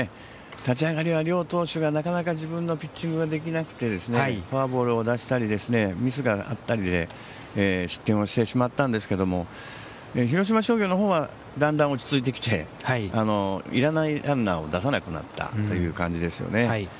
立ち上がりは両投手、なかなか自分のピッチングができなくてフォアボールを出したりミスがあったりで失点をしてしまったんですけど広島商業のほうはだんだん落ち着いてきていらないランナーを出さなくなったという感じです。